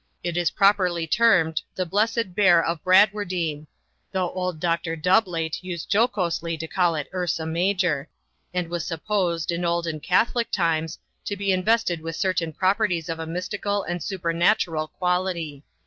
It is properly termed the Blessed Bear of Bradwardine (though old Doctor Doubleit used jocosely to call it Ursa Major), and was supposed, in old and Catholic times, to be invested with certain properties of a mystical and supernatural quality.